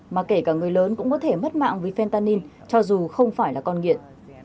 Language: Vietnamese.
mà kể cả người lớn cũng có thể mất mạng vì fentanin cho dù không phải là con nghiện